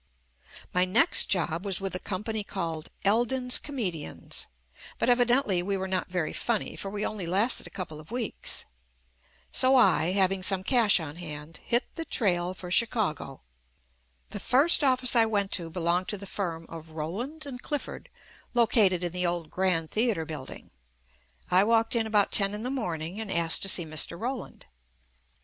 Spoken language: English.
My next job was with a company called, "Eldon's Comedians/' but evidently we were not very funny, for we only lasted a couple of weeks. So I — having some cash on hand — hit the trail for Chicago. The first office I went to belonged to the firm of "Rowland & Clif ford," located in the old Grand Theatre Build ing. I walked in about ten in the morning and asked to see Mr. Rowland.